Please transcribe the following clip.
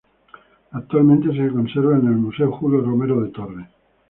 Actualmente se conserva en el Museo Julio Romero de Torres.